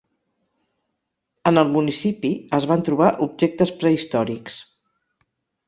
En el municipi es van trobar objectes prehistòrics.